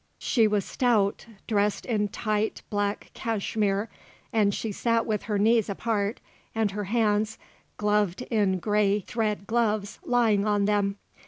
She was stout, dressed in tight black cashmere, and she sat with her knees apart and her hands, gloved in grey thread gloves, lying on them.